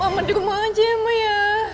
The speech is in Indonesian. mama di rumah aja ya ma ya